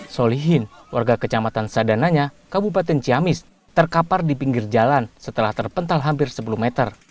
solihin warga kecamatan sadananya kabupaten ciamis terkapar di pinggir jalan setelah terpental hampir sepuluh meter